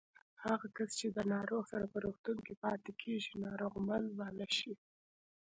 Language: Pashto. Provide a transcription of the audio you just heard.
هغه کس چې د ناروغ سره په روغتون کې پاتې کېږي ناروغمل باله شي